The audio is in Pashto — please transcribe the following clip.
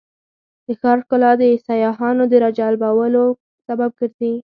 د ښار ښکلا د سیاحانو د راجلبولو سبب ګرځي.